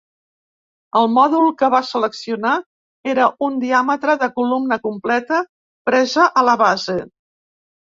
El mòdul que va seleccionar era un diàmetre de columna completa presa a la base.